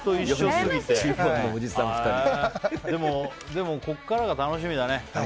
でもここからが楽しみだね。